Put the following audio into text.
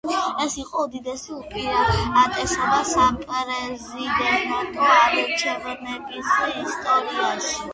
ეს იყო უდიდესი უპირატესობა საპრეზიდენტო არჩევნების ისტორიაში.